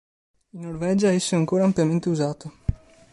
In Norvegia esso è ancora ampiamente usato.